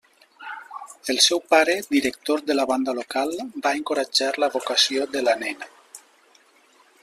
El seu pare, director de la banda local, va encoratjar la vocació de la nena.